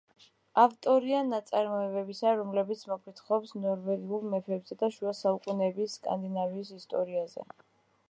ავტორია ნაწარმოებებისა, რომელიც მოგვითხრობს ნორვეგიელ მეფეებზე და შუა საუკუნეების სკანდინავიის ისტორიაზე.